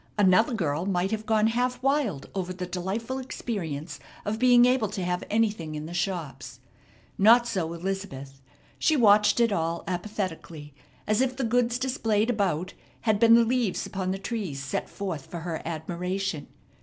Another girl might have gone half wild over the delightful experience of being able to have anything in the shops. Not so Elizabeth. She watched it all apathetically, as if the goods displayed about had been the leaves upon the trees set forth for her admiration.